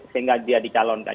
sehingga dia dicalonkan